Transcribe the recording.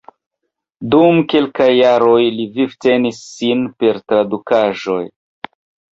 Dum kelkaj jaroj li vivtenis sin per tradukaĵoj.